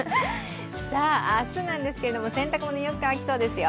明日なんですけれども、洗濯物、よく乾きそうですよ。